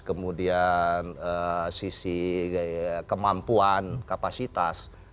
kemudian sisi kemampuan kapasitas